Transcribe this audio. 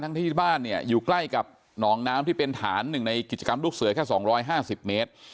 ที่บ้านเนี่ยอยู่ใกล้กับหนองน้ำที่เป็นฐานหนึ่งในกิจกรรมลูกเสือแค่๒๕๐เมตร